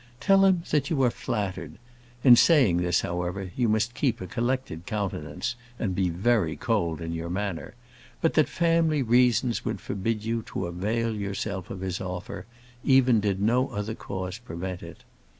Tell him, that you are flattered in saying this, however, you must keep a collected countenance, and be very cold in your manner but that family reasons would forbid you to avail yourself of his offer, even did no other cause prevent it.